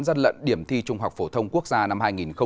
giăn lận điểm thi trung học phổ thông quốc gia năm hai nghìn một mươi tám